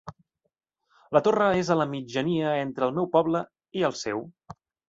La torre és a la mitjania entre el meu poble i el seu.